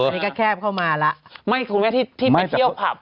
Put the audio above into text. นี่ก็แคบเข้ามาละที่เมื่อที่มาเที่ยวผัก